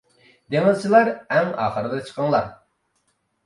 دېڭىزچىلار ئەڭ ئاخىرىدا چىقىڭلار.